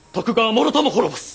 もろとも滅ぼす！